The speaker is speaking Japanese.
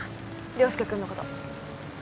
良介くんのこと